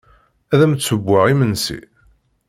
Ad am-d-ssewweɣ imensi?